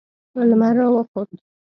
لمر را وخوت.